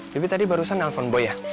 bibi tadi barusan nelfon boy ya